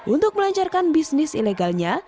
untuk melancarkan bisnis ilegalnya